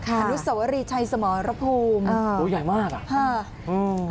อารุศวรีชัยสมรภูมิโอ้ยใหญ่มากอ่ะ